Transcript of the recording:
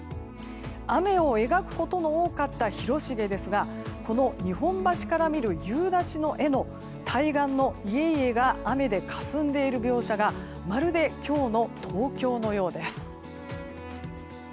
雨を描くことの多かった広重ですがこの日本橋から見る夕立の絵の対岸の家々が雨でかすんでいる描写がまるで今日の東京のようです。